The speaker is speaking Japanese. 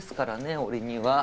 俺には。